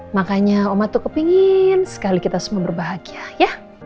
makanya oma cukup pengen sekali kita semua berbahagia ya